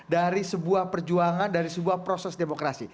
dari sebuah perjuangan dari sebuah proses demokrasi